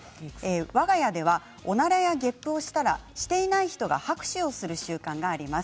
わが家ではおならや、げっぷをしたらしていない人が拍手をする習慣があります。